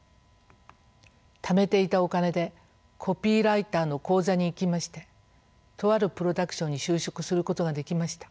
ためていたお金でコピーライターの講座に行きましてとあるプロダクションに就職することができました。